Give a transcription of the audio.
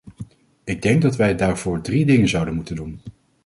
Ik denk dat wij daarvoor drie dingen zouden moeten doen.